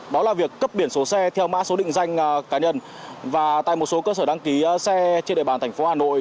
đó là việc cấp biển số xe theo mã số định danh cá nhân và tại một số cơ sở đăng ký xe trên địa bàn thành phố hà nội